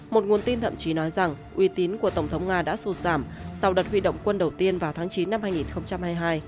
một nguồn tin thậm chí nói rằng uy tín của tổng thống nga đã sụt giảm sau đợt huy động quân đầu tiên vào tháng chín năm hai nghìn hai mươi hai